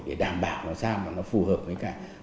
để đảm bảo nó sao mà nó phù hợp với các doanh nghiệp